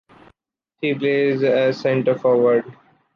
She plays as center forward.